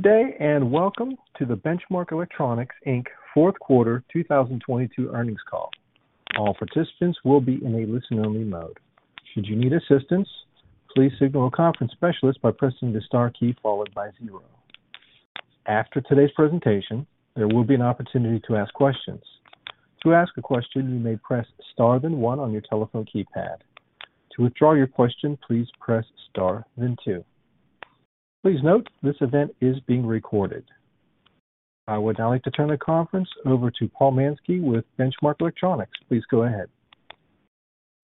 Good day, and welcome to the Benchmark Electronics Inc fourth quarter 2022 earnings call. All participants will be in a listen-only mode. Should you need assistance, please signal a conference specialist by pressing the star key followed by zero. After today's presentation, there will be an opportunity to ask questions. To ask a question, you may press star then one on your telephone keypad. To withdraw your question, please press star then two. Please note this event is being recorded. I would now like to turn the conference over to Paul Mansky with Benchmark Electronics. Please go ahead.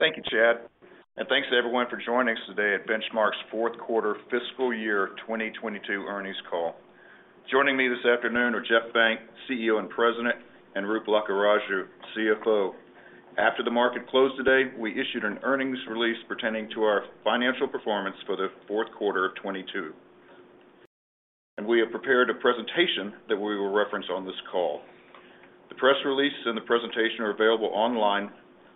Thank you, Chad, and thanks to everyone for joining us today at Benchmark's Fourth Quarter Fiscal Year 2022 Earnings Call. Joining me this afternoon are Jeff Benck, CEO and President, and Roop Lakkaraju, CFO. After the market closed today, we issued an earnings release pertaining to our financial performance for the fourth quarter of 22. We have prepared a presentation that we will reference on this call. The press release and the presentation are available online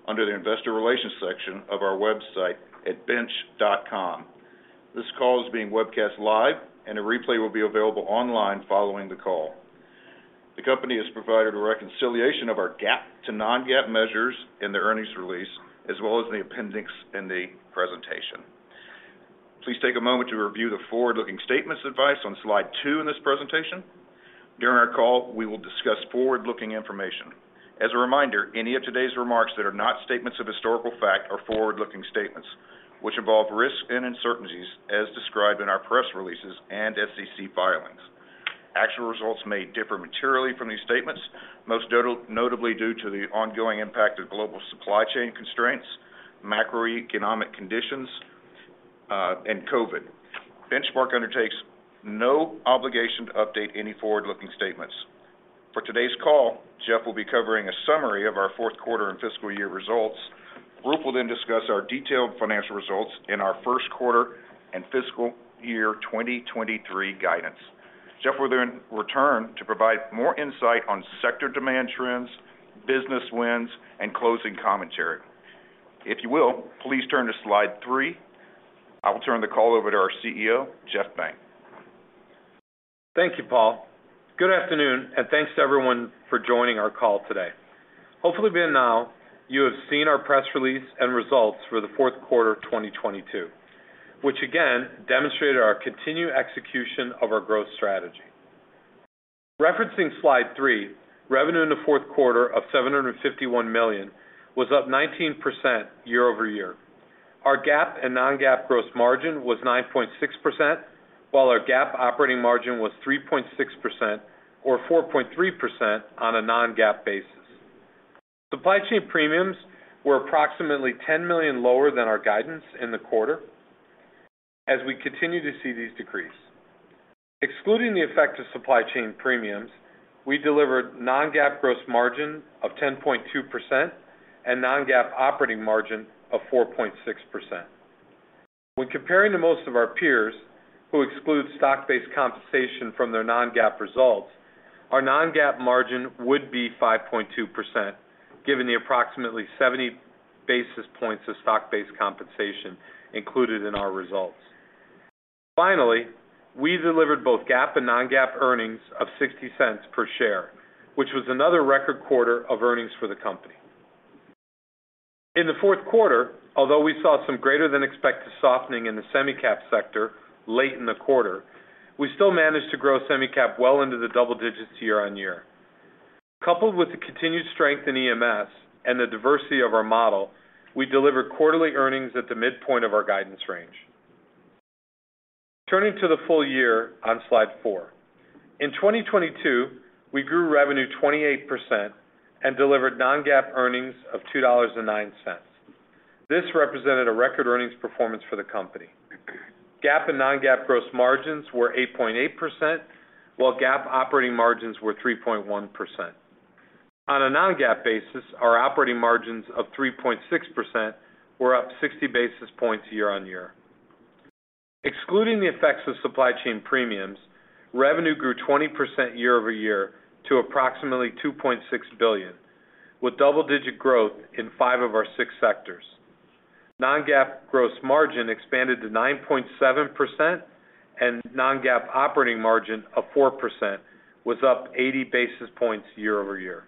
under the Investor Relations section of our website at bench.com. This call is being webcast live, and a replay will be available online following the call. The company has provided a reconciliation of our GAAP to non-GAAP measures in the earnings release, as well as the appendix in the presentation. Please take a moment to review the forward-looking statements advice on slide two in this presentation. During our call, we will discuss forward-looking information. As a reminder, any of today's remarks that are not statements of historical fact are forward-looking statements, which involve risks and uncertainties as described in our press releases and SEC filings. Actual results may differ materially from these statements, most notably due to the ongoing impact of global supply chain constraints, macroeconomic conditions, and COVID. Benchmark undertakes no obligation to update any forward-looking statements. For today's call, Jeff will be covering a summary of our fourth quarter and fiscal year results. Roop will then discuss our detailed financial results in our first quarter and fiscal year 2023 guidance. Jeff will then return to provide more insight on sector demand trends, business wins, and closing commentary. If you will, please turn to slide three. I will turn the call over to our CEO, Jeff Benck. Thank you, Paul. Good afternoon. Thanks to everyone for joining our call today. Hopefully by now, you have seen our press release and results for the fourth quarter of 2022, which again demonstrated our continued execution of our growth strategy. Referencing slide three, revenue in the fourth quarter of $751 million was up 19% year-over-year. Our GAAP and non-GAAP gross margin was 9.6%, while our GAAP operating margin was 3.6% or 4.3% on a non-GAAP basis. Supply chain premiums were approximately $10 million lower than our guidance in the quarter as we continue to see these decrease. Excluding the effect of supply chain premiums, we delivered non-GAAP gross margin of 10.2% and non-GAAP operating margin of 4.6%. When comparing to most of our peers who exclude stock-based compensation from their non-GAAP results, our non-GAAP margin would be 5.2%, given the approximately 70 basis points of stock-based compensation included in our results. We delivered both GAAP and non-GAAP earnings of $0.60 per share, which was another record quarter of earnings for the company. In the fourth quarter, although we saw some greater than expected softening in the semi-cap sector late in the quarter, we still managed to grow semi-cap well into the double digits year-over-year. Coupled with the continued strength in EMS and the diversity of our model, we delivered quarterly earnings at the midpoint of our guidance range. Turning to the full year on slide four. In 2022, we grew revenue 28% and delivered non-GAAP earnings of $2.09. This represented a record earnings performance for the company. GAAP and non-GAAP gross margins were 8.8%, while GAAP operating margins were 3.1%. On a non-GAAP basis, our operating margins of 3.6% were up 60 basis points year-over-year. Excluding the effects of supply chain premiums, revenue grew 20% year-over-year to approximately $2.6 billion, with double-digit growth in five of our six sectors. Non-GAAP gross margin expanded to 9.7%, non-GAAP operating margin of 4% was up 80 basis points year-over-year.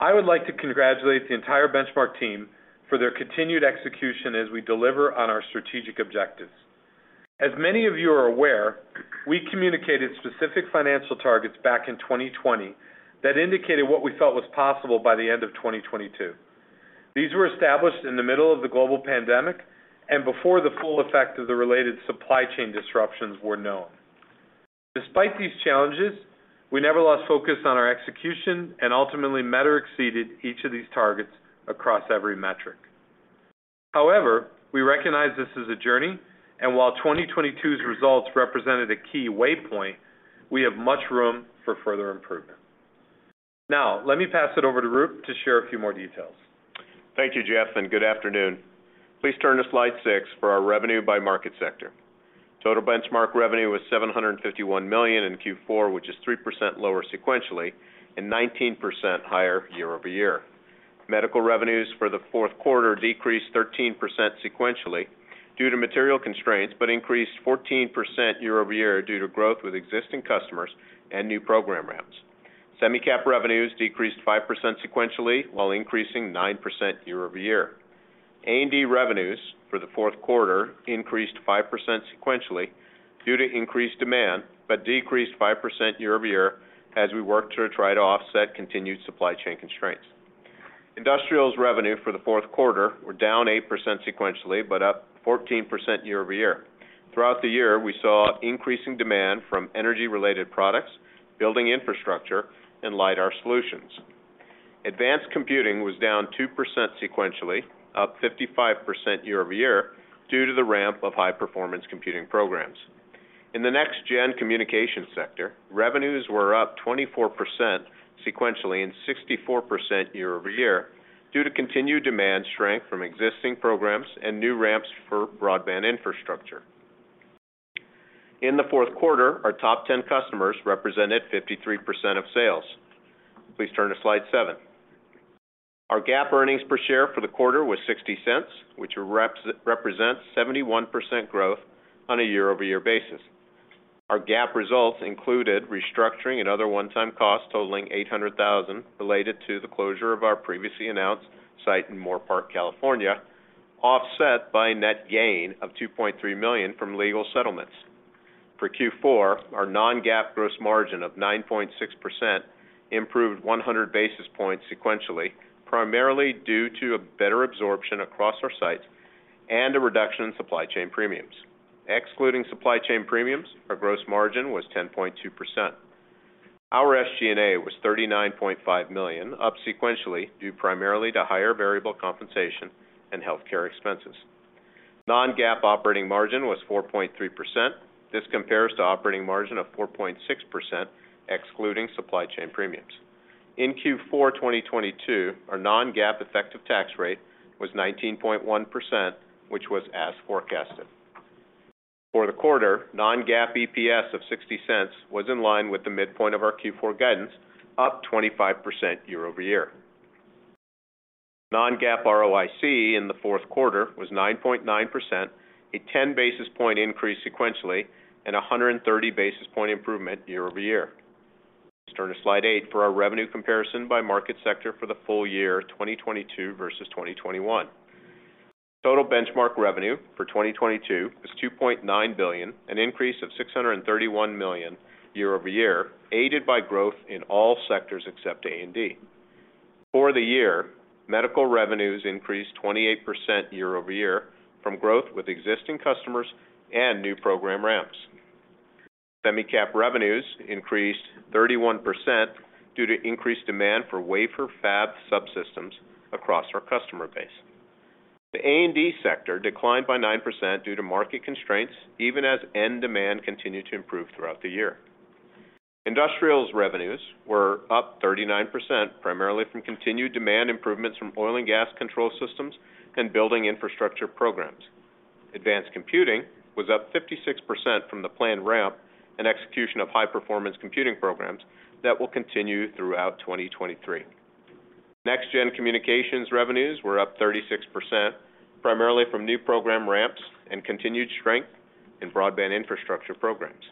I would like to congratulate the entire Benchmark team for their continued execution as we deliver on our strategic objectives. As many of you are aware, we communicated specific financial targets back in 2020 that indicated what we felt was possible by the end of 2022. These were established in the middle of the global pandemic and before the full effect of the related supply chain disruptions were known. Despite these challenges, we never lost focus on our execution and ultimately met or exceeded each of these targets across every metric. However, we recognize this is a journey, and while 2022's results represented a key waypoint, we have much room for further improvement. Now let me pass it over to Roop to share a few more details. Thank you, Jeff, and good afternoon. Please turn to slide six for our revenue by market sector. Total Benchmark revenue was $751 million in Q4, which is 3% lower sequentially and 19% higher year-over-year. Medical revenues for the fourth quarter decreased 13% sequentially due to material constraints. Increased 14% year-over-year due to growth with existing customers and new program ramps. Semi-cap revenues decreased 5% sequentially, while increasing 9% year-over-year. A&D revenues for the fourth quarter increased 5% sequentially due to increased demand. Decreased 5% year-over-year as we worked to try to offset continued supply chain constraints. Industrials revenue for the fourth quarter were down 8% sequentially. Up 14% year-over-year. Throughout the year, we saw increasing demand from energy-related products, building infrastructure, and lidar solutions. Advanced computing was down 2% sequentially, up 55% year-over-year due to the ramp of high-performance computing programs. In the next-gen communication sector, revenues were up 24% sequentially and 64% year-over-year due to continued demand strength from existing programs and new ramps for broadband infrastructure. In the fourth quarter, our top 10 customers represented 53% of sales. Please turn to slide seven. Our GAAP earnings per share for the quarter was $0.60, which represents 71% growth on a year-over-year basis. Our GAAP results included restructuring and other one-time costs totaling $800,000 related to the closure of our previously announced site in Moorpark, California, offset by a net gain of $2.3 million from legal settlements. For Q4, our non-GAAP gross margin of 9.6% improved 100 basis points sequentially, primarily due to a better absorption across our sites and a reduction in supply chain premiums. Excluding supply chain premiums, our gross margin was 10.2%. Our SG&A was $39.5 million, up sequentially due primarily to higher variable compensation and healthcare expenses. non-GAAP operating margin was 4.3%. This compares to operating margin of 4.6% excluding supply chain premiums. In Q4 2022, our non-GAAP effective tax rate was 19.1%, which was as forecasted. For the quarter, non-GAAP EPS of $0.60 was in line with the midpoint of our Q4 guidance, up 25% year-over-year. non-GAAP ROIC in the fourth quarter was 9.9%, a 10 basis point increase sequentially and a 130 basis point improvement year-over-year. Please turn to slide 8 for our revenue comparison by market sector for the full year 2022 versus 2021. Total Benchmark revenue for 2022 was $2.9 billion, an increase of $631 million year-over-year, aided by growth in all sectors except A&D. For the year, medical revenues increased 28% year-over-year from growth with existing customers and new program ramps. semi-cap revenues increased 31% due to increased demand for wafer fab subsystems across our customer base. The A&D sector declined by 9% due to market constraints, even as end demand continued to improve throughout the year. Industrials revenues were up 39%, primarily from continued demand improvements from oil and gas control systems and building infrastructure programs. Advanced computing was up 56% from the planned ramp and execution of high-performance computing programs that will continue throughout 2023. Next gen communications revenues were up 36%, primarily from new program ramps and continued strength in broadband infrastructure programs.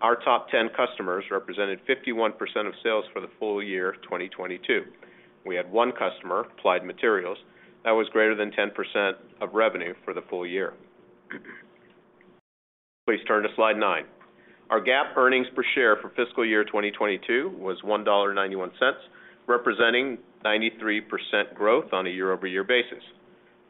Our top 10 customers represented 51% of sales for the full year 2022. We had one customer, Applied Materials, that was greater than 10% of revenue for the full year. Please turn to slide nine. Our GAAP earnings per share for fiscal year 2022 was $1.91, representing 93% growth on a year-over-year basis.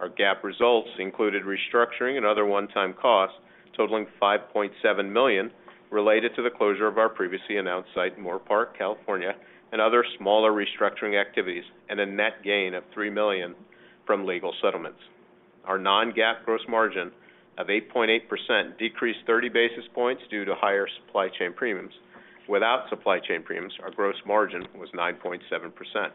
Our GAAP results included restructuring and other one-time costs totaling $5.7 million related to the closure of our previously announced site in Moorpark, California, and other smaller restructuring activities, and a net gain of $3 million from legal settlements. Our non-GAAP gross margin of 8.8% decreased 30 basis points due to higher supply chain premiums. Without supply chain premiums, our gross margin was 9.7%.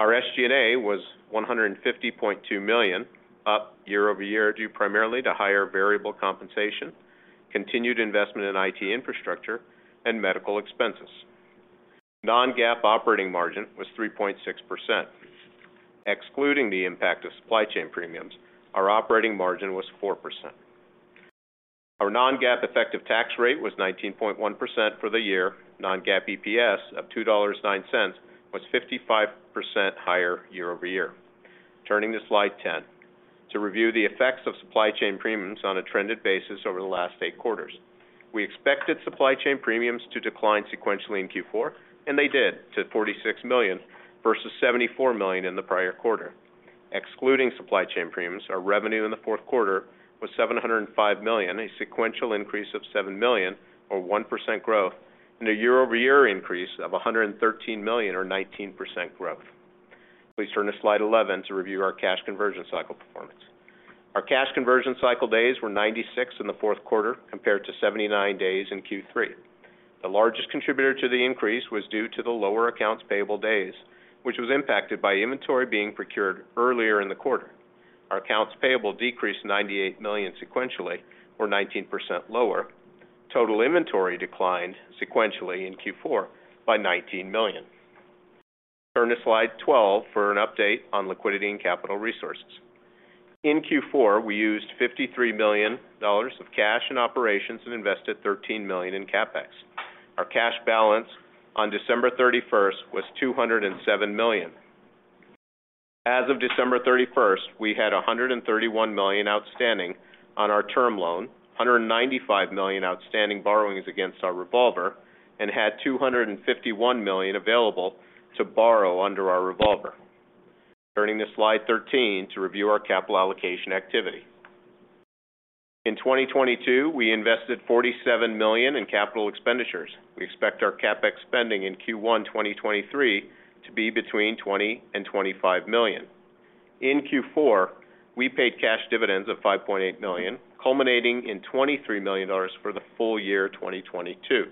Our SG&A was $150.2 million, up year-over-year, due primarily to higher variable compensation, continued investment in IT infrastructure, and medical expenses. Non-GAAP operating margin was 3.6%. Excluding the impact of supply chain premiums, our operating margin was 4%. Our non-GAAP effective tax rate was 19.1% for the year. Non-GAAP EPS of $2.09 was 55% higher year-over-year. Turning to slide 10 to review the effects of supply chain premiums on a trended basis over the last eight quarters. We expected supply chain premiums to decline sequentially in Q4, and they did, to $46 million versus $74 million in the prior quarter. Excluding supply chain premiums, our revenue in the fourth quarter was $705 million, a sequential increase of $7 million or 1% growth and a year-over-year increase of $113 million or 19% growth. Please turn to slide 11 to review our cash conversion cycle performance. Our cash conversion cycle days were 96 in the fourth quarter, compared to 79 days in Q3. The largest contributor to the increase was due to the lower accounts payable days, which was impacted by inventory being procured earlier in the quarter. Our accounts payable decreased $98 million sequentially, or 19% lower. Total inventory declined sequentially in Q4 by $19 million. Turn to slide 12 for an update on liquidity and capital resources. In Q4, we used $53 million of cash and operations and invested $13 million in CapEx. Our cash balance on December 31st was $207 million. As of December 31st, we had $131 million outstanding on our term loan, $195 million outstanding borrowings against our revolver, and had $251 million available to borrow under our revolver. Turning to slide 13 to review our capital allocation activity. In 2022, we invested $47 million in capital expenditures. We expect our CapEx spending in Q1 2023 to be between $20 million and $25 million. In Q4, we paid cash dividends of $5.8 million, culminating in $23 million for the full year 2022.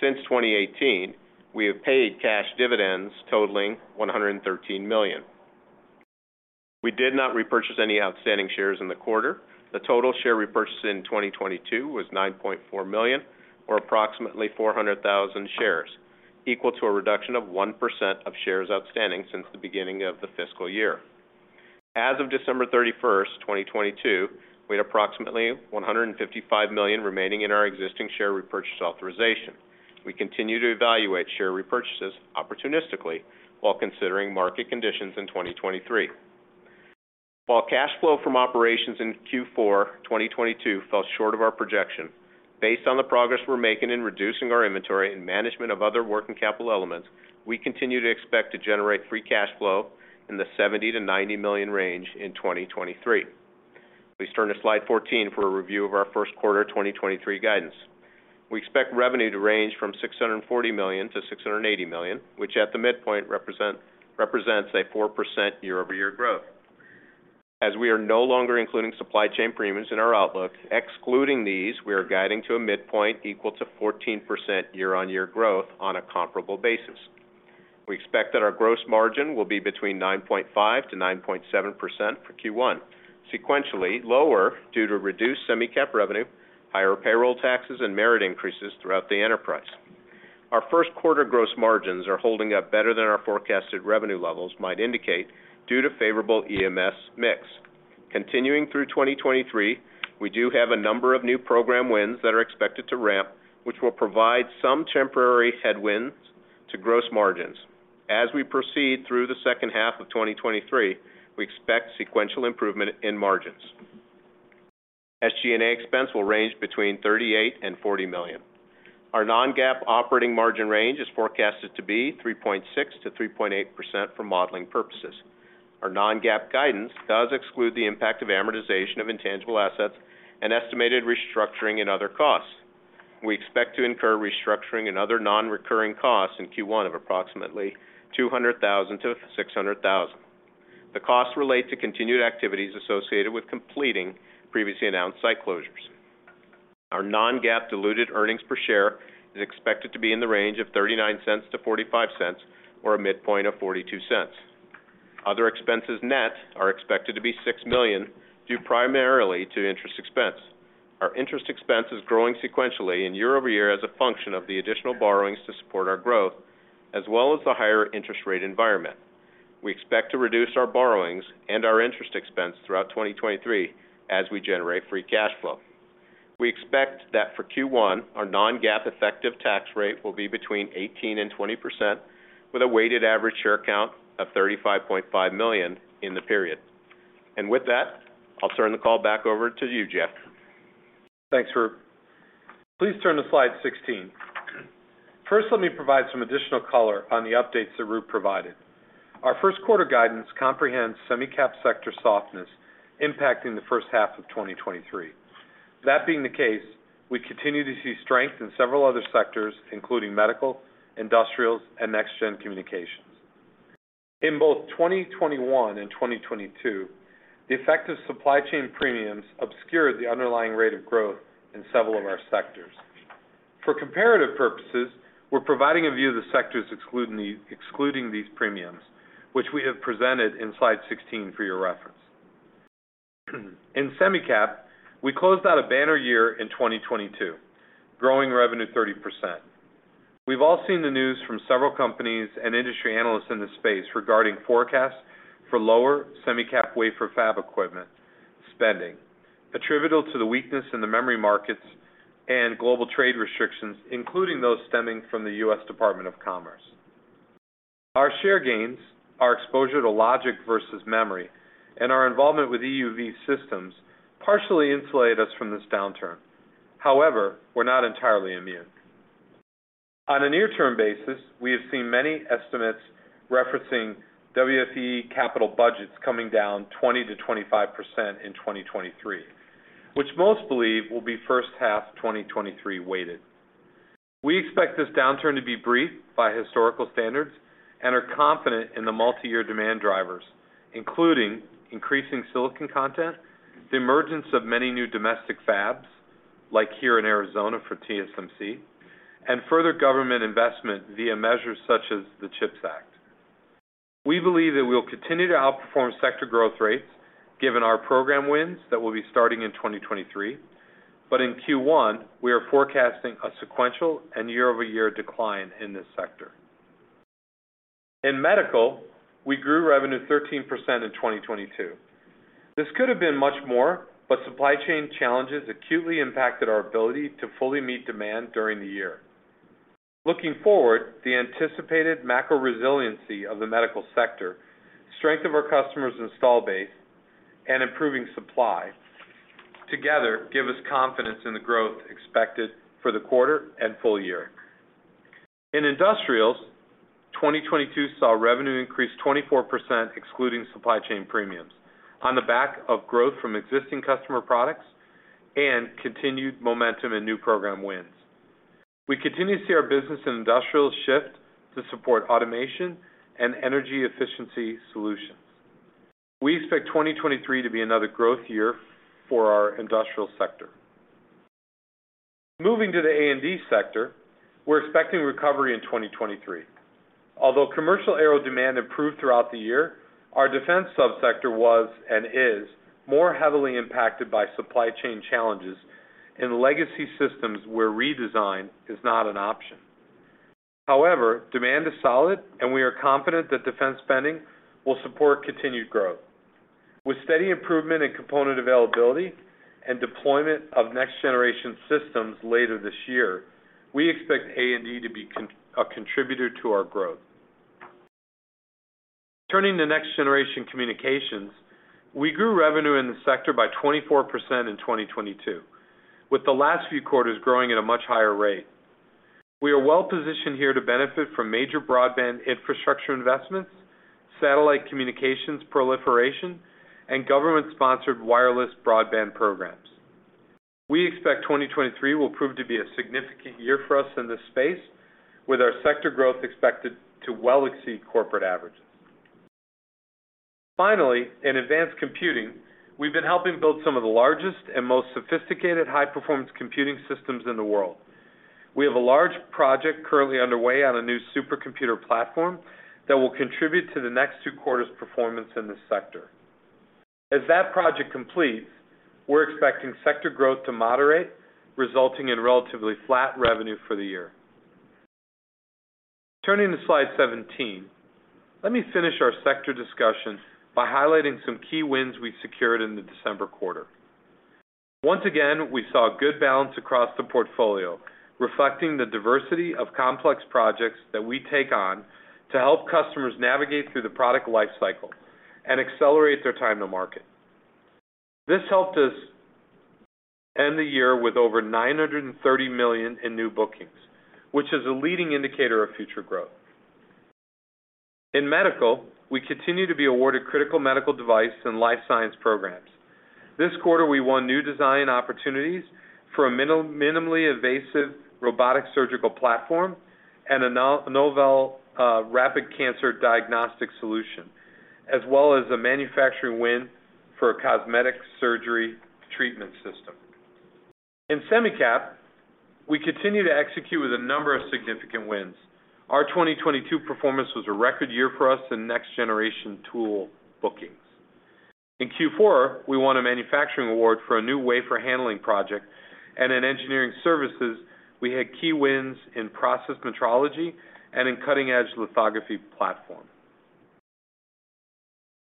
Since 2018, we have paid cash dividends totaling $113 million. We did not repurchase any outstanding shares in the quarter. The total share repurchased in 2022 was $9.4 million, or approximately 400,000 shares, equal to a reduction of 1% of shares outstanding since the beginning of the fiscal year. As of December 31st, 2022, we had approximately $155 million remaining in our existing share repurchase authorization. We continue to evaluate share repurchases opportunistically while considering market conditions in 2023. While cash flow from operations in Q4, 2022 fell short of our projection, based on the progress we're making in reducing our inventory and management of other working capital elements, we continue to expect to generate free cash flow in the $70 million-$90 million range in 2023. Please turn to slide 14 for a review of our first quarter 2023 guidance. We expect revenue to range from $640 million-$680 million, which at the midpoint represents a 4% year-over-year growth. We are no longer including supply chain premiums in our outlook, excluding these, we are guiding to a midpoint equal to 14% year-on-year growth on a comparable basis. We expect that our gross margin will be between 9.5%-9.7% for Q1, sequentially lower due to reduced semi-cap revenue, higher payroll taxes, and merit increases throughout the enterprise. Our first quarter gross margins are holding up better than our forecasted revenue levels might indicate due to favorable EMS mix. Continuing through 2023, we do have a number of new program wins that are expected to ramp, which will provide some temporary headwinds to gross margins. As we proceed through the second half of 2023, we expect sequential improvement in margins. SG&A expense will range between $38 million and $40 million. Our non-GAAP operating margin range is forecasted to be 3.6%-3.8% for modeling purposes. Our non-GAAP guidance does exclude the impact of amortization of intangible assets and estimated restructuring and other costs. We expect to incur restructuring and other non-recurring costs in Q1 of approximately $200,000-$600,000. The costs relate to continued activities associated with completing previously announced site closures. Our non-GAAP diluted earnings per share is expected to be in the range of $0.39-$0.45, or a midpoint of $0.42. Other expenses net are expected to be $6 million, due primarily to interest expense. Our interest expense is growing sequentially and year-over-year as a function of the additional borrowings to support our growth, as well as the higher interest rate environment. We expect to reduce our borrowings and our interest expense throughout 2023 as we generate free cash flow. We expect that for Q1, our non-GAAP effective tax rate will be between 18% and 20%, with a weighted average share count of 35.5 million in the period. With that, I'll turn the call back over to you, Jeff. Thanks, Roop. Please turn to slide 16. First, let me provide some additional color on the updates that Roop provided. Our first quarter guidance comprehends semi-cap sector softness impacting the first half of 2023. That being the case, we continue to see strength in several other sectors, including medical, industrials, and next gen communications. In both 2021 and 2022, the effect of supply chain premiums obscured the underlying rate of growth in several of our sectors. For comparative purposes, we're providing a view of the sectors excluding these premiums, which we have presented in slide 16 for your reference. In semi-cap, we closed out a banner year in 2022, growing revenue 30%. We've all seen the news from several companies and industry analysts in this space regarding forecasts for lower semi-cap wafer fab equipment spending, attributable to the weakness in the memory markets and global trade restrictions, including those stemming from the U.S. Department of Commerce. Our share gains, our exposure to logic versus memory, and our involvement with EUV systems partially insulate us from this downturn. However, we're not entirely immune. On a near-term basis, we have seen many estimates referencing WFE capital budgets coming down 20%-25% in 2023, which most believe will be first half 2023 weighted. We expect this downturn to be brief by historical standards and are confident in the multi-year demand drivers, including increasing silicon content, the emergence of many new domestic fabs, like here in Arizona for TSMC. Further government investment via measures such as the CHIPS Act. We believe that we'll continue to outperform sector growth rates given our program wins that will be starting in 2023. In Q1, we are forecasting a sequential and year-over-year decline in this sector. In medical, we grew revenue 13% in 2022. This could have been much more, but supply chain challenges acutely impacted our ability to fully meet demand during the year. Looking forward, the anticipated macro resiliency of the medical sector, strength of our customers' install base, and improving supply together give us confidence in the growth expected for the quarter and full year. In industrials, 2022 saw revenue increase 24% excluding supply chain premiums on the back of growth from existing customer products and continued momentum in new program wins. We continue to see our business in industrials shift to support automation and energy efficiency solutions. We expect 2023 to be another growth year for our industrial sector. Moving to the A&D sector, we're expecting recovery in 2023. Although commercial aero demand improved throughout the year, our defense sub-sector was and is more heavily impacted by supply chain challenges and legacy systems where redesign is not an option. However, demand is solid, and we are confident that defense spending will support continued growth. With steady improvement in component availability and deployment of next-generation systems later this year, we expect A&D to be a contributor to our growth. Turning to next-generation communications, we grew revenue in the sector by 24% in 2022, with the last few quarters growing at a much higher rate. We are well-positioned here to benefit from major broadband infrastructure investments, satellite communications proliferation, and government-sponsored wireless broadband programs. We expect 2023 will prove to be a significant year for us in this space, with our sector growth expected to well exceed corporate averages. Finally, in advanced computing, we've been helping build some of the largest and most sophisticated high-performance computing systems in the world. We have a large project currently underway on a new supercomputer platform that will contribute to the next two quarters' performance in this sector. As that project completes, we're expecting sector growth to moderate, resulting in relatively flat revenue for the year. Turning to slide 17, let me finish our sector discussion by highlighting some key wins we secured in the December quarter. Once again, we saw a good balance across the portfolio, reflecting the diversity of complex projects that we take on to help customers navigate through the product life cycle and accelerate their time to market. This helped us end the year with over $930 million in new bookings, which is a leading indicator of future growth. In medical, we continue to be awarded critical medical device and life science programs. This quarter, we won new design opportunities for a minimally invasive robotic surgical platform and a novel rapid cancer diagnostic solution, as well as a manufacturing win for a cosmetic surgery treatment system. In semi-cap, we continue to execute with a number of significant wins. Our 2022 performance was a record year for us in next generation tool bookings. In Q4, we won a manufacturing award for a new wafer handling project. In engineering services, we had key wins in process metrology and in cutting-edge lithography platform.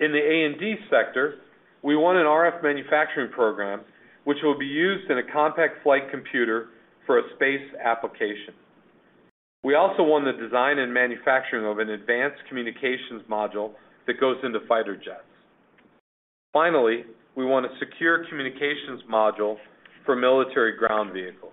In the A&D sector, we won an RF manufacturing program, which will be used in a compact flight computer for a space application. We also won the design and manufacturing of an advanced communications module that goes into fighter jets. We won a secure communications module for military ground vehicles.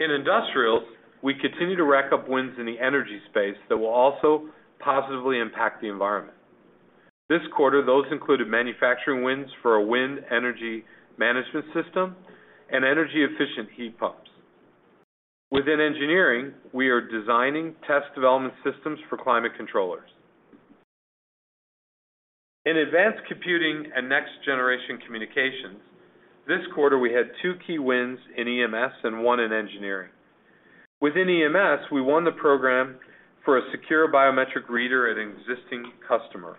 In industrials, we continue to rack up wins in the energy space that will also positively impact the environment. This quarter, those included manufacturing wins for a wind energy management system and energy-efficient heat pumps. Within engineering, we are designing test development systems for climate controllers. In advanced computing and next-generation communications, this quarter we had two key wins in EMS and one in engineering. Within EMS, we won the program for a secure biometric reader at an existing customer.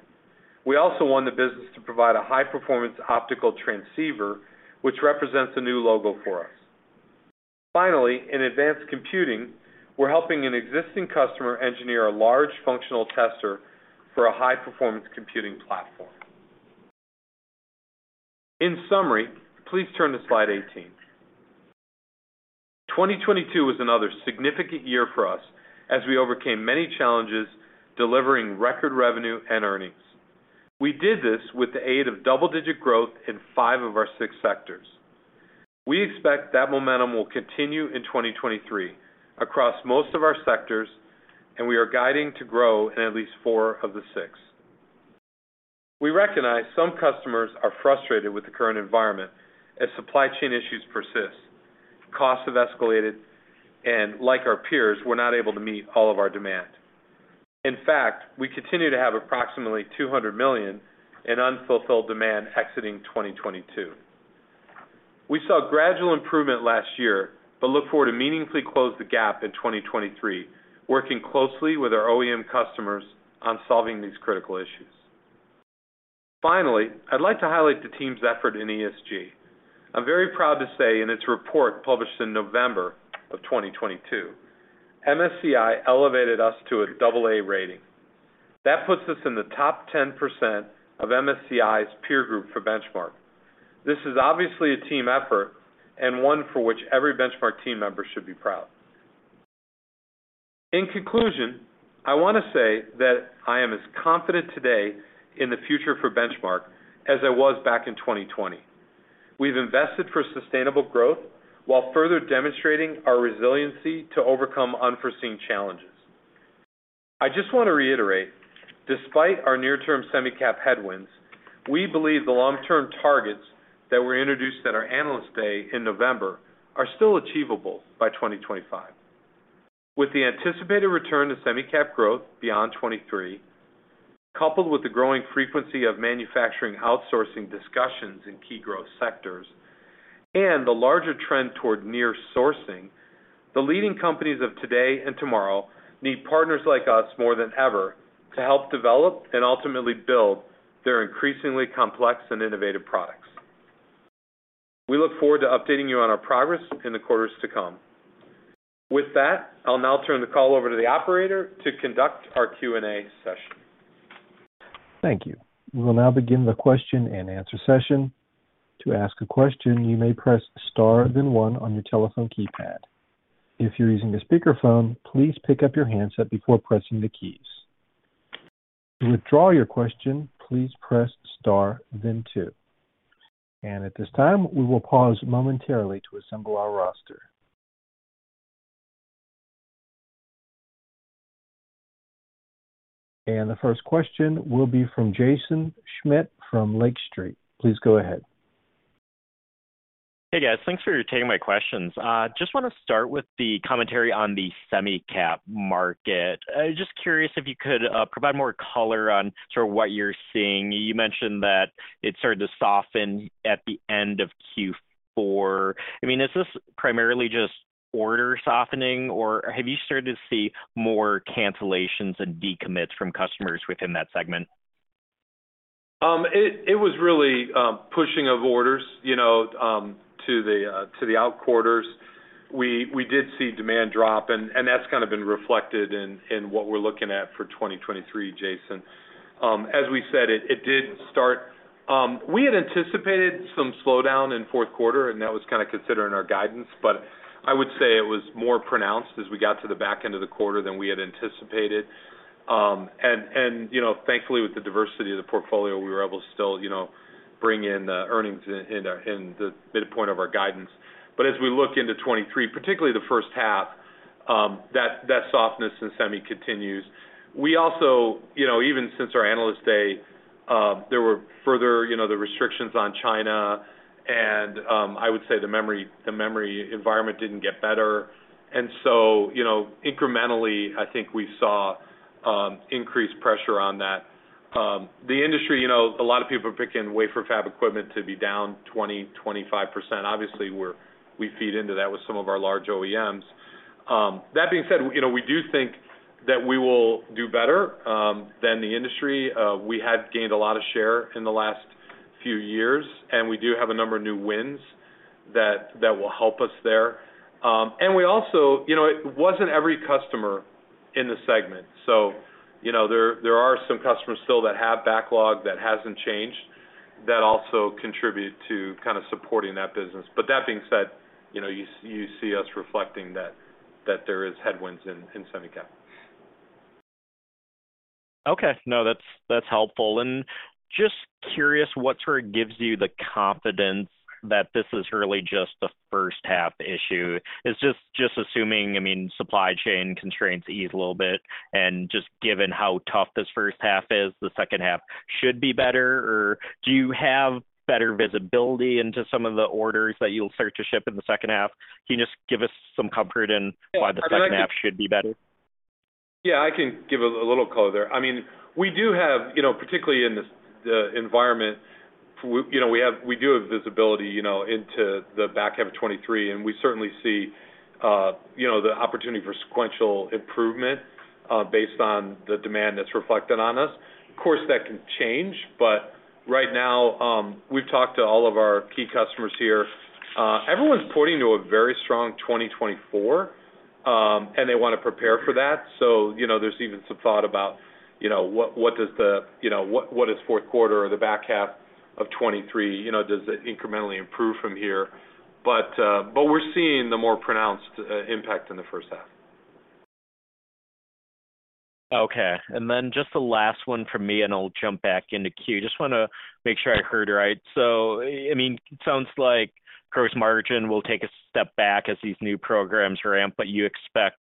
We also won the business to provide a high-performance optical transceiver, which represents a new logo for us. Finally, in advanced computing, we're helping an existing customer engineer a large functional tester for a high-performance computing platform. In summary, please turn to slide 18. 2022 was another significant year for us as we overcame many challenges delivering record revenue and earnings. We did this with the aid of double-digit growth in five of our six sectors. We expect that momentum will continue in 2023 across most of our sectors, and we are guiding to grow in at least four of the six. We recognize some customers are frustrated with the current environment as supply chain issues persist. Costs have escalated, and like our peers, we're not able to meet all of our demand. In fact, we continue to have approximately $200 million in unfulfilled demand exiting 2022. We saw gradual improvement last year, but look forward to meaningfully close the gap in 2023, working closely with our OEM customers on solving these critical issues. Finally, I'd like to highlight the team's effort in ESG. I'm very proud to say in its report, published in November of 2022, MSCI elevated us to a AA rating. That puts us in the top 10% of MSCI's peer group for Benchmark. This is obviously a team effort and one for which every Benchmark team member should be proud. In conclusion, I wanna say that I am as confident today in the future for Benchmark as I was back in 2020. We've invested for sustainable growth while further demonstrating our resiliency to overcome unforeseen challenges. I just want to reiterate, despite our near-term semi-cap headwinds, we believe the long-term targets that were introduced at our Analyst Day in November are still achievable by 2025. With the anticipated return to semi-cap growth beyond 23, coupled with the growing frequency of manufacturing outsourcing discussions in key growth sectors and the larger trend toward near sourcing, the leading companies of today and tomorrow need partners like us more than ever to help develop and ultimately build their increasingly complex and innovative products. We look forward to updating you on our progress in the quarters to come. With that, I'll now turn the call over to the operator to conduct our Q&A session. Thank you. We will now begin the question-and-answer session. To ask a question, you may press star then one on your telephone keypad. If you're using a speakerphone, please pick up your handset before pressing the keys. To withdraw your question, please press star then two. At this time, we will pause momentarily to assemble our roster. The first question will be from Jaeson Schmidt from Lake Street. Please go ahead. Hey, guys. Thanks for taking my questions. just wanna start with the commentary on the semi-cap market. I was just curious if you could provide more color on sort of what you're seeing. You mentioned that it started to soften at the end of Q4. I mean, is this primarily just order softening, or have you started to see more cancellations and decommits from customers within that segment? It was really pushing of orders, you know, to the out quarters. We did see demand drop, that's kinda been reflected in what we're looking at for 2023, Jaeson. As we said, it did start. We had anticipated some slowdown in fourth quarter, that was kinda considered in our guidance, I would say it was more pronounced as we got to the back end of the quarter than we had anticipated. You know, thankfully with the diversity of the portfolio, we were able to still, you know, bring in the earnings in the midpoint of our guidance. As we look into 23, particularly the first half, that softness in semi continues. We also, you know, even since our Analyst Day, there were further, you know, the restrictions on China and, I would say the memory environment didn't get better. You know, incrementally, I think we saw increased pressure on that. The industry, you know, a lot of people are picking wafer fab equipment to be down 20%-25%. Obviously, we feed into that with some of our large OEMs. That being said, you know, we do think that we will do better than the industry. We had gained a lot of share in the last few years, and we do have a number of new wins that will help us there. We also. You know, it wasn't every customer in the segment. You know, there are some customers still that have backlog that hasn't changed that also contribute to kinda supporting that business. That being said, you know, you see us reflecting that there is headwinds in semi-cap. Okay. No, that's helpful. Just curious what sort of gives you the confidence that this is really just the first half issue? It's just assuming, I mean, supply chain constraints ease a little bit, just given how tough this first half is, the second half should be better, or do you have better visibility into some of the orders that you'll start to ship in the second half? Can you just give us some comfort in why the second half should be better? Yeah, I can give a little color there. I mean, we do have, you know, particularly in this, the environment, you know, we do have visibility, you know, into the back half of 2023, and we certainly see, you know, the opportunity for sequential improvement, based on the demand that's reflected on us. Of course, that can change, but right now, we've talked to all of our key customers here. Everyone's pointing to a very strong 2024, and they wanna prepare for that. You know, there's even some thought about, you know, what does the, you know, what is fourth quarter or the back half of 2023, you know, does it incrementally improve from here? We're seeing the more pronounced impact in the first half. Okay. Just the last one from me, and I'll jump back into queue. Just wanna make sure I heard right. I mean, it sounds like gross margin will take a step back as these new programs ramp, but you expect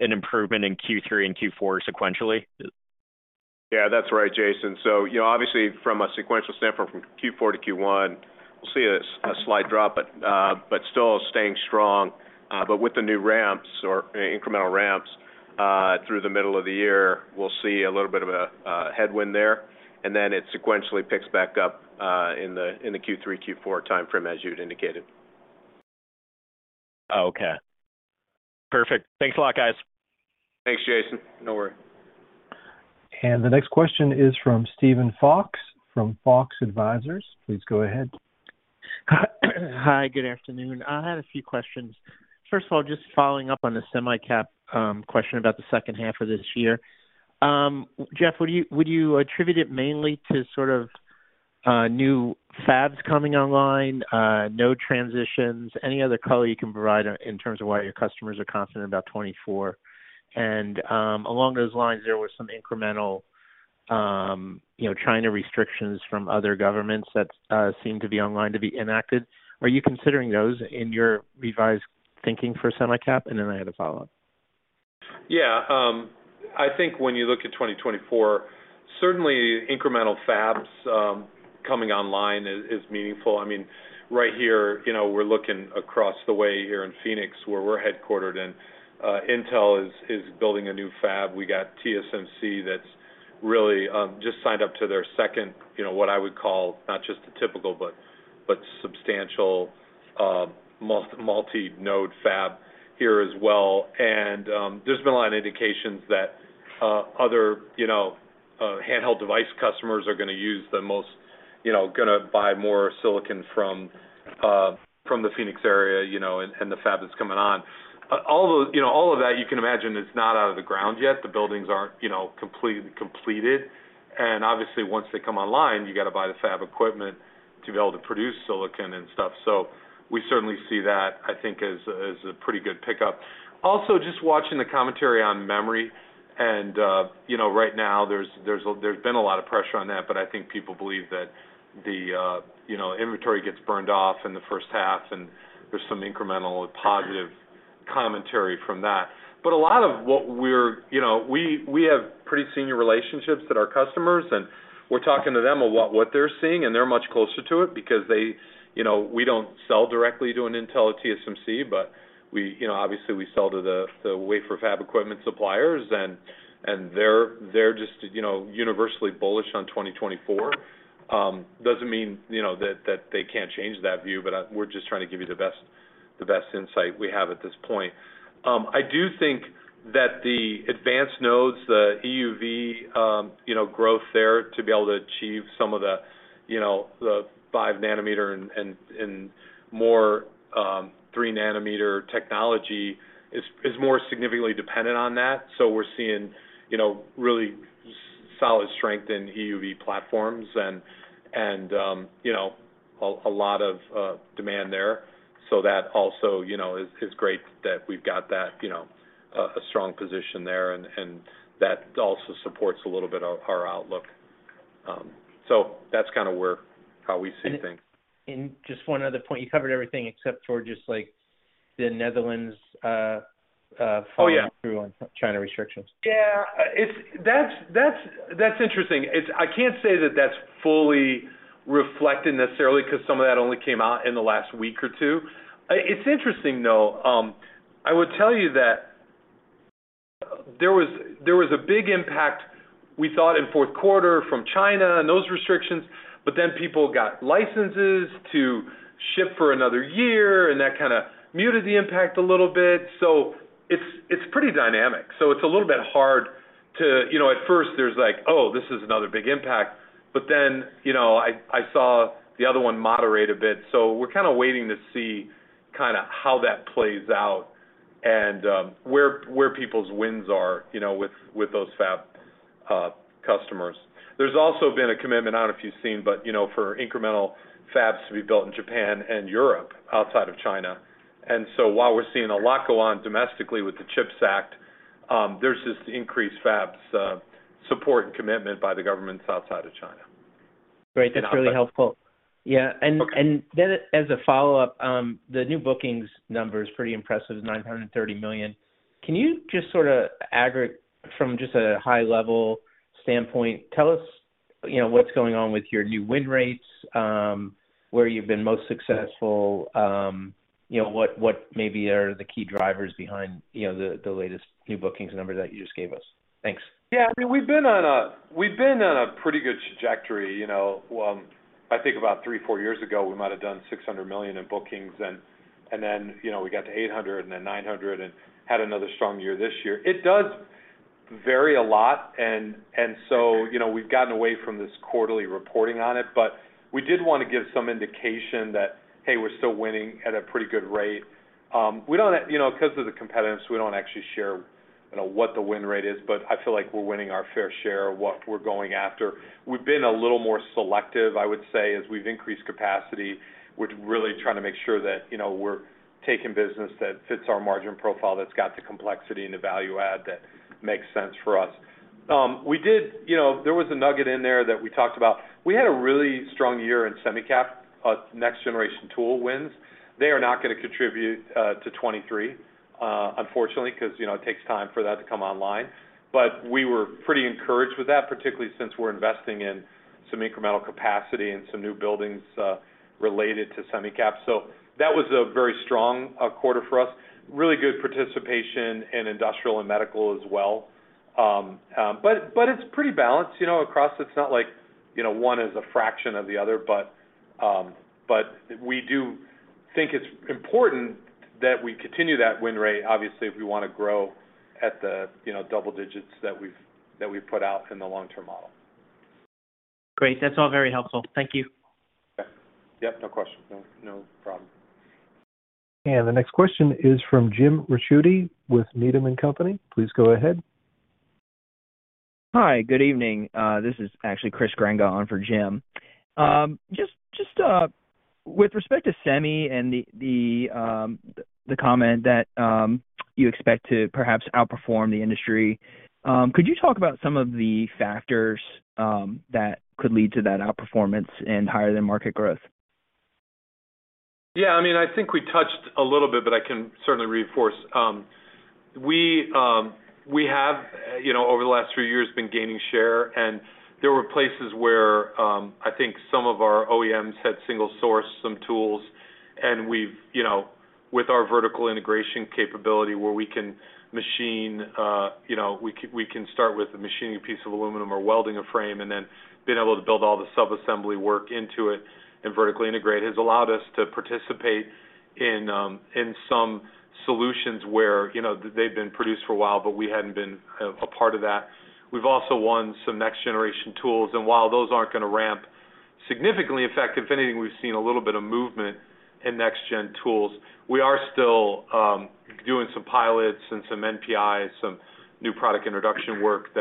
an improvement in Q3 and Q4 sequentially? Yeah, that's right, Jaeson. You know, obviously from a sequential standpoint, from Q4 to Q1, we'll see a slight drop, but still staying strong. But with the new ramps or incremental ramps through the middle of the year, we'll see a little bit of a headwind there, and then it sequentially picks back up in the Q3, Q4 timeframe, as you'd indicated. Okay. Perfect. Thanks a lot, guys. Thanks, Jaeson. No worry. The next question is from Steven Fox, from Fox Advisors. Please go ahead. Hi. Good afternoon. I had a few questions. First of all, just following up on the semi-cap, question about the second half of this year. Jeff, would you attribute it mainly to sort of, new fabs coming online, node transitions, any other color you can provide in terms of why your customers are confident about 2024? Along those lines, there were some incremental, you know, China restrictions from other governments that seem to be online to be enacted. Are you considering those in your revised thinking for semi-cap? Then I had a follow-up. Yeah. I think when you look at 2024, certainly incremental fabs coming online is meaningful. I mean, right here, you know, we're looking across the way here in Phoenix where we're headquartered, and Intel is building a new fab. We got TSMC that's really just signed up to their second, you know, what I would call not just a typical but substantial multi-node fab here as well. There's been a lot of indications that other, you know, handheld device customers are gonna use the most, you know, gonna buy more silicon from the Phoenix area, you know, and the fab that's coming on. You know, all of that, you can imagine, it's not out of the ground yet. The buildings aren't, you know, completed. Obviously, once they come online, you gotta buy the fab equipment to be able to produce silicon and stuff. We certainly see that, I think, as a pretty good pickup. Also, just watching the commentary on memory, you know, right now there's been a lot of pressure on that, but I think people believe that the, you know, inventory gets burned off in the first half, and there's some incremental positive commentary from that. A lot of what we're... You know, we have pretty senior relationships at our customers, and we're talking to them a lot what they're seeing, and they're much closer to it because they, you know, we don't sell directly to an Intel or TSMC, but we, you know, obviously we sell to the wafer fab equipment suppliers, and they're just, you know, universally bullish on 2024. Doesn't mean, you know, that they can't change that view, but we're just trying to give you the best insight we have at this point. I do think that the advanced nodes, the EUV, you know, growth there to be able to achieve some of the, you know, the 5 nm and more, 3 nm technology is more significantly dependent on that. We're seeing, you know, really solid strength in EUV platforms and, you know, a lot of demand there. That also, you know, is great that we've got that, you know, a strong position there and that also supports a little bit of our outlook. That's kinda how we see things. Just one other point. You covered everything except for just, like, the Netherlands. Oh, yeah. ...following through on China restrictions. That's interesting. I can't say that that's fully reflected necessarily 'cause some of that only came out in the last week or two. It's interesting, though. I would tell you that there was a big impact, we thought, in fourth quarter from China and those restrictions, but then people got licenses to ship for one year, and that kinda muted the impact a little bit. It's pretty dynamic. It's a little bit hard to. You know, at first there's like, oh, this is another big impact, but then, you know, I saw the other one moderate a bit. We're kinda waiting to see kinda how that plays out and where people's wins are, you know, with those fab customers. There's also been a commitment, I don't know if you've seen, but, you know, for incremental fabs to be built in Japan and Europe outside of China. While we're seeing a lot go on domestically with the CHIPS Act, there's this increased fabs support and commitment by the governments outside of China. Great. That's really helpful. Yeah. Okay. As a follow-up, the new bookings number is pretty impressive, $930 million. Can you just sort of aggregate from just a high level standpoint, tell us, you know, what's going on with your new win rates, where you've been most successful, you know, what maybe are the key drivers behind, you know, the latest new bookings number that you just gave us? Thanks. Yeah. I mean, we've been on a pretty good trajectory, you know. I think about three, four years ago, we might have done $600 million in bookings and then, you know, we got to $800 million and then $900 million and had another strong year this year. It does vary a lot and so, you know, we've gotten away from this quarterly reporting on it. We did wanna give some indication that, hey, we're still winning at a pretty good rate. We don't, you know, 'cause of the competitors, we don't actually share, you know, what the win rate is, but I feel like we're winning our fair share of what we're going after. We've been a little more selective, I would say, as we've increased capacity. We're really trying to make sure that, you know, we're taking business that fits our margin profile, that's got the complexity and the value add that makes sense for us. You know, there was a nugget in there that we talked about. We had a really strong year in semi-cap, next generation tool wins. They are not gonna contribute to 2023. Unfortunately, because, you know, it takes time for that to come online. We were pretty encouraged with that, particularly since we're investing in some incremental capacity and some new buildings related to semi-cap. That was a very strong quarter for us. Really good participation in industrial and medical as well. It's pretty balanced, you know, across. It's not like, you know, one is a fraction of the other. We do think it's important that we continue that win rate, obviously, if we wanna grow at the, you know, double digits that we've put out in the long-term model. Great. That's all very helpful. Thank you. Yeah. Yep, no question. No, no problem. The next question is from Jim Ricchiuti with Needham & Company. Please go ahead. Hi. Good evening. This is actually Chris Grenga on for Jim. Just with respect to semi and the comment that you expect to perhaps outperform the industry, could you talk about some of the factors that could lead to that outperformance and higher than market growth? Yeah, I mean, I think we touched a little bit, but I can certainly reinforce. We have, you know, over the last few years been gaining share, and there were places where, I think some of our OEMs had single-sourced some tools. We've, you know, with our vertical integration capability where we can machine, you know, we can start with machining a piece of aluminum or welding a frame and then being able to build all the sub-assembly work into it and vertically integrate, has allowed us to participate in some solutions where, you know, they've been produced for a while, but we hadn't been a part of that. We've also won some next-generation tools, while those aren't gonna ramp significantly, in fact, if anything, we've seen a little bit of movement in next gen tools. We are still doing some pilots and some NPIs, some new product introduction work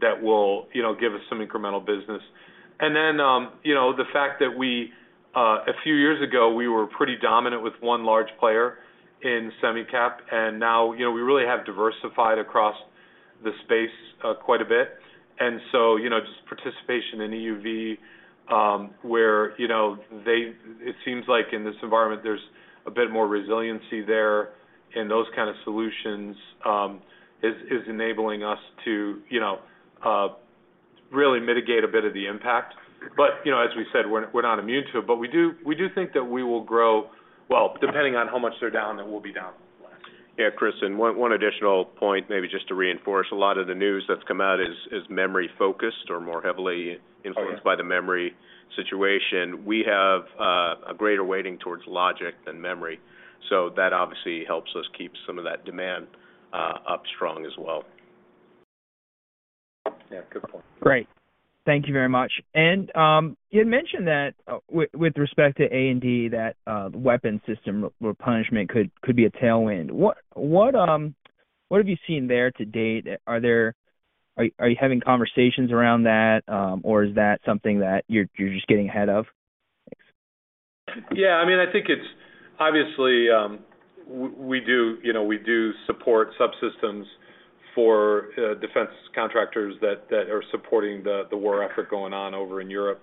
that will, you know, give us some incremental business. You know, the fact that we a few years ago we were pretty dominant with one large player in semi-cap, and now, you know, we really have diversified across the space quite a bit. You know, just participation in EUV, where, you know, it seems like in this environment there's a bit more resiliency there in those kind of solutions, is enabling us to, you know, really mitigate a bit of the impact. You know, as we said, we're not immune to it, we do think that we will grow... Well, depending on how much they're down, then we'll be down less. Yeah. Chris, one additional point maybe just to reinforce. A lot of the news that's come out is memory-focused or more heavily influenced. Oh, yeah. by the memory situation. We have a greater weighting towards logic than memory, so that obviously helps us keep some of that demand up strong as well. Yeah. Good point. Great. Thank you very much. You had mentioned that with respect to A&D, that the weapon system replenishment could be a tailwind. What have you seen there to date? Are you having conversations around that, or is that something that you're just getting ahead of? Thanks. Yeah, I mean, I think it's obviously, we do, you know, we do support subsystems for defense contractors that are supporting the war effort going on over in Europe.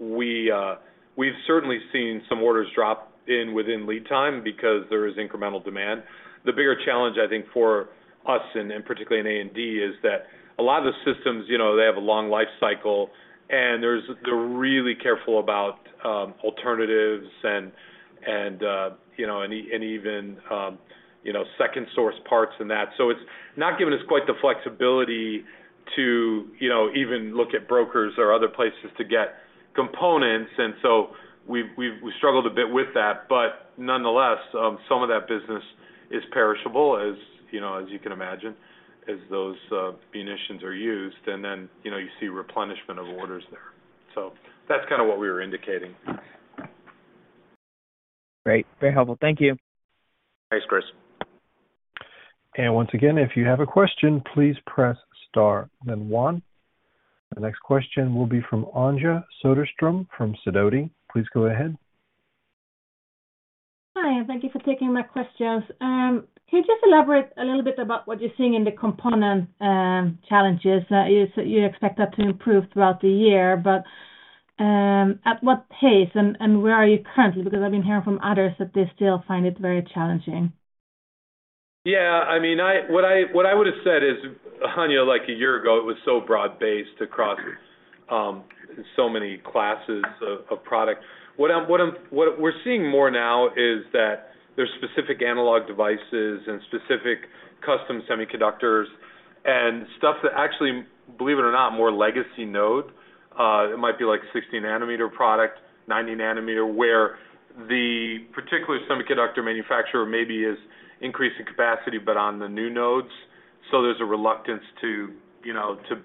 We've certainly seen some orders drop in within lead time because there is incremental demand. The bigger challenge, I think, for us and particularly in A&D, is that a lot of the systems, you know, they have a long life cycle, and they're really careful about alternatives and, you know, and even, you know, second source parts and that. It's not given us quite the flexibility to, you know, even look at brokers or other places to get components, and so we've struggled a bit with that. Nonetheless, some of that business is perishable, as, you know, as you can imagine, as those munitions are used, and then, you know, you see replenishment of orders there. That's kind of what we were indicating. Great. Very helpful. Thank you. Thanks, Chris. Once again, if you have a question, please press star then one. The next question will be from Anja Soderstrom from Sidoti. Please go ahead. Hi, thank you for taking my questions. Can you just elaborate a little bit about what you're seeing in the component challenges? You said you expect that to improve throughout the year, but at what pace and where are you currently? I've been hearing from others that they still find it very challenging. Yeah, I mean, what I would've said is, Anja, like a year ago it was so broad-based across so many classes of product. What we're seeing more now is that there's specific analog devices and specific custom semiconductors and stuff that actually, believe it or not, more legacy node. It might be like 60 nanometer product, 90 nanometer, where the particular semiconductor manufacturer maybe is increasing capacity, on the new nodes. There's a reluctance to, you know, to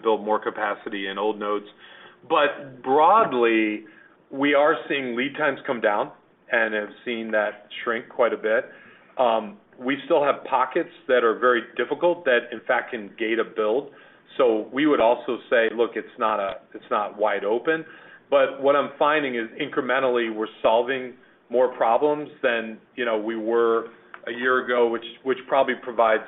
build more capacity in old nodes. Broadly, we are seeing lead times come down and have seen that shrink quite a bit. We still have pockets that are very difficult that, in fact, can gate a build. We would also say, look, it's not wide open. What I'm finding is incrementally we're solving more problems than, you know, we were a year ago, which probably provides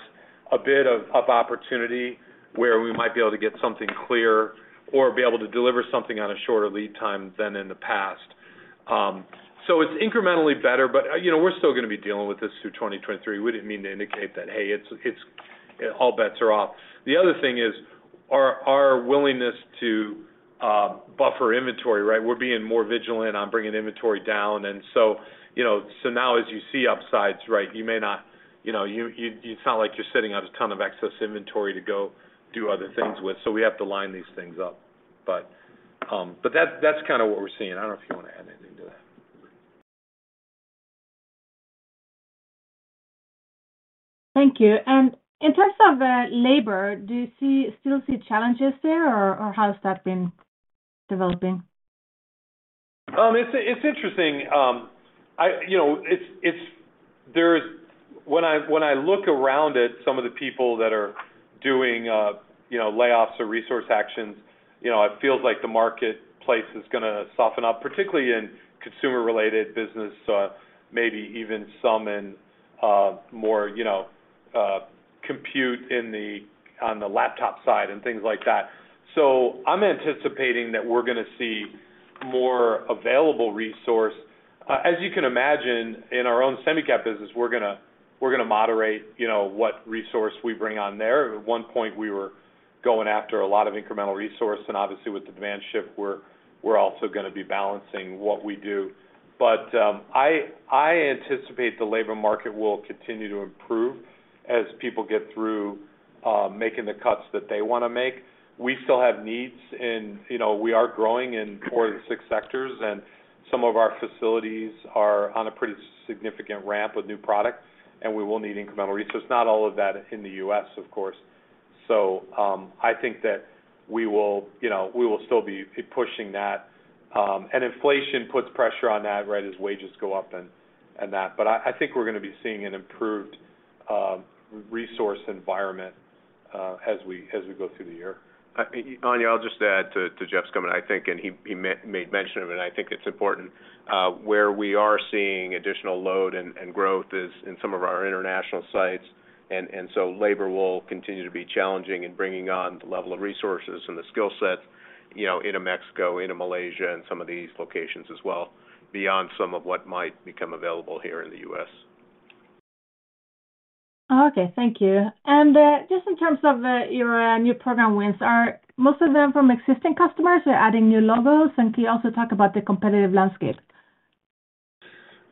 a bit of opportunity where we might be able to get something clear or be able to deliver something on a shorter lead time than in the past. It's incrementally better, but, you know, we're still gonna be dealing with this through 2023. We didn't mean to indicate that, hey, it's all bets are off. The other thing is our willingness to buffer inventory, right? We're being more vigilant on bringing inventory down, you know, now as you see upsides, right, it's not like you're sitting on a ton of excess inventory to go do other things with, we have to line these things up. That's kinda what we're seeing. I don't know if you wanna add anything to that. Thank you. In terms of labor, do you still see challenges there, or how's that been developing? It's interesting. You know, it's when I look around at some of the people that are doing, you know, layoffs or resource actions, you know, it feels like the marketplace is gonna soften up, particularly in consumer-related business, maybe even some in more, you know, compute on the laptop side and things like that. I'm anticipating that we're gonna see more available resource. As you can imagine, in our own semi-cap business, we're gonna moderate, you know, what resource we bring on there. At one point, we were going after a lot of incremental resource, and obviously with the demand shift, we're also gonna be balancing what we do. I anticipate the labor market will continue to improve as people get through making the cuts that they wanna make. We still have needs in, you know, we are growing in four of the six sectors, and some of our facilities are on a pretty significant ramp with new product, and we will need incremental resources. Not all of that in the U.S., of course. I think that we will, you know, we will still be pushing that. Inflation puts pressure on that, right, as wages go up and that. I think we're gonna be seeing an improved resource environment as we, as we go through the year. I think, Anja, I'll just add to Jeff's comment, I think, and he made mention of it, I think it's important, where we are seeing additional load and growth is in some of our international sites. Labor will continue to be challenging and bringing on the level of resources and the skill set, you know, into Mexico, into Malaysia, and some of these locations as well, beyond some of what might become available here in the U.S. Okay. Thank you. Just in terms of your new program wins, are most of them from existing customers or adding new logos? Can you also talk about the competitive landscape?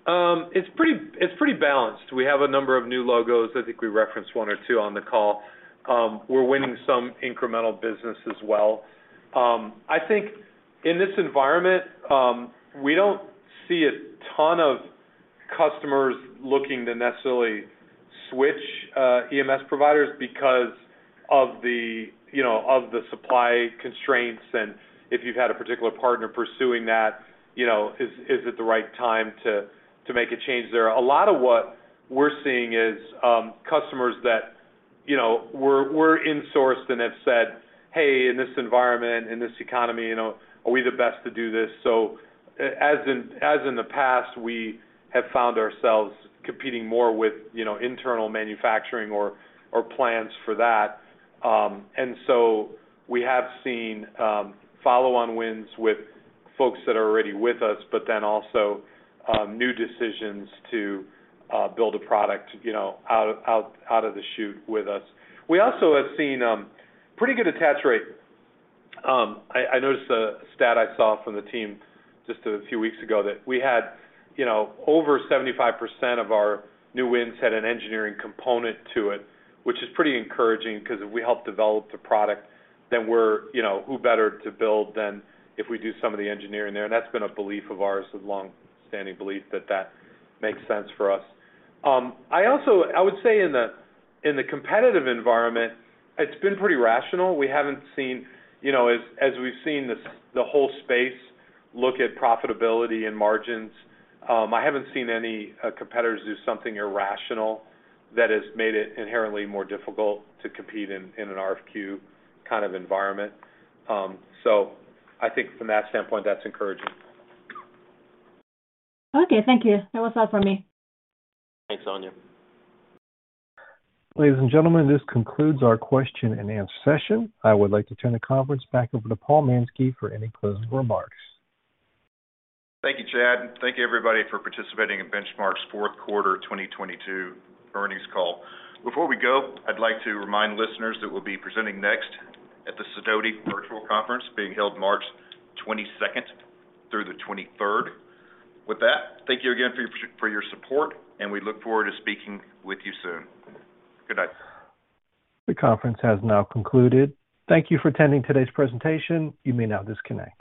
It's pretty, it's pretty balanced. We have a number of new logos. I think we referenced one or two on the call. We're winning some incremental business as well. I think in this environment, we don't see a ton of customers looking to necessarily switch EMS providers because of the, you know, of the supply constraints. If you've had a particular partner pursuing that, you know, is it the right time to make a change there? A lot of what we're seeing is customers that, you know, we're insourced and have said, "Hey, in this environment, in this economy, you know, are we the best to do this?" As in, as in the past, we have found ourselves competing more with, you know, internal manufacturing or plans for that. We have seen, follow-on wins with folks that are already with us, but then also, new decisions to build a product, you know, out of the chute with us. We also have seen, pretty good attach rate. I noticed a stat I saw from the team just a few weeks ago that we had, you know, over 75% of our new wins had an engineering component to it, which is pretty encouraging 'cause if we help develop the product, then we're, you know, who better to build than if we do some of the engineering there? That's been a belief of ours, a longstanding belief that that makes sense for us. I would say in the, in the competitive environment, it's been pretty rational. We haven't seen, you know, as we've seen the whole space look at profitability and margins, I haven't seen any competitors do something irrational that has made it inherently more difficult to compete in an RFQ kind of environment. I think from that standpoint, that's encouraging. Okay, thank you. That was all for me. Thanks, Anja. Ladies and gentlemen, this concludes our question and answer session. I would like to turn the conference back over to Paul Mansky for any closing remarks. Thank you, Chad. Thank you, everybody, for participating in Benchmark's fourth quarter 2022 earnings call. Before we go, I'd like to remind listeners that we'll be presenting next at the Sidoti Virtual Conference being held March 22nd through the 23rd. With that, thank you again for your support, we look forward to speaking with you soon. Good night. The conference has now concluded. Thank you for attending today's presentation. You may now disconnect.